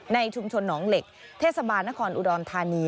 ในชุมชนหนองเหล็กเทศบาลนครอุดรธานี